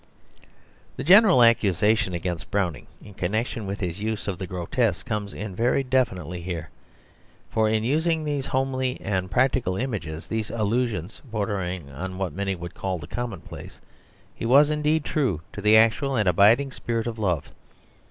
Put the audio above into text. The general accusation against Browning in connection with his use of the grotesque comes in very definitely here; for in using these homely and practical images, these allusions, bordering on what many would call the commonplace, he was indeed true to the actual and abiding spirit of love.